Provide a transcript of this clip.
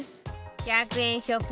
１００円ショップ